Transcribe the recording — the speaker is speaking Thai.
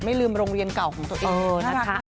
ไม่ลืมโรงเรียนเก่าของตัวเองนะคะ